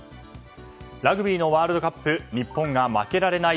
ラグビーのワールドカップ日本が負けられない